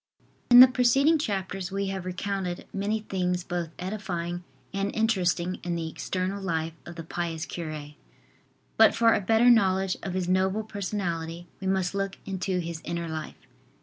IN the preceding chapters we have recounted many things both edifying and interesting in the external life of the pious cure. But for a better knowledge of his noble personality we must look into his inner life.